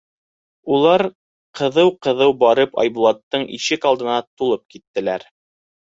Улар, ҡыҙыу-ҡыҙыу барып, Айбулаттың ишек алдына тулып киттеләр.